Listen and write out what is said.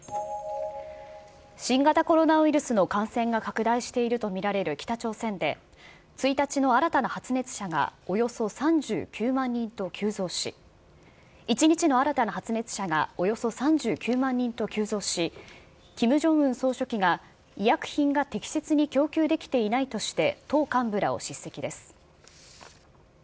新型コロナウイルスの感染が拡大していると見られる北朝鮮で１日の新たな感染者がおよそ３９万人と急増し、１日の新たな発熱者がおよそ３９万人と急増し、キム・ジョンウン総書記が医薬品が適切に供給できていないとして、党幹部らを叱責です。